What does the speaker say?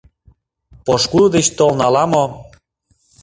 — Пошкудо деч толын ала-мо...